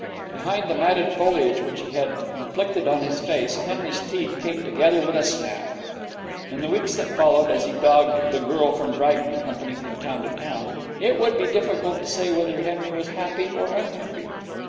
Behind the matted foliage which he had inflicted on his face, Henry's teeth came together with a snap. In the weeks that followed, as he dogged 'The Girl From Brighton' company from town to town, it would be difficult to say whether Henry was happy or unhappy.